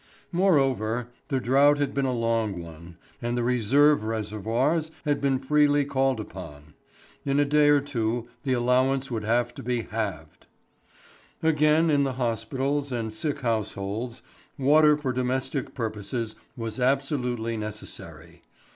Moreover, the drought had been a long one, and the reserve reservoirs had been freely called upon. In a day or two the allowance would have to be halved. Again in the hospitals and sick households water for domestic purposes was absolutely necessary.